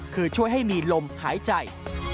คือช่วยให้มีลมหายใจ